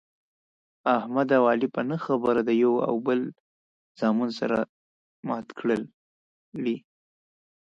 احمد او علي په نه خبره د یوه او بل زامې سره ماتې کړلې.